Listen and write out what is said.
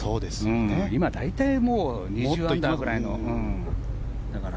今、大体２０アンダーぐらいだから。